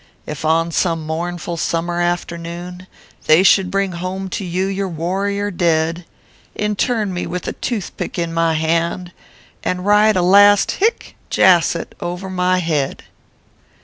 "If on some mournful summer afternoon They should bring home to you your warrior dead, Inter me with a toothpick in my hand, And write a last (hie) jacet o er my head."